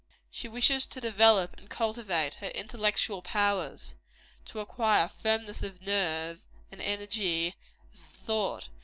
She wishes to develope and cultivate her intellectual powers; to acquire "firmness of nerve and energy of thought."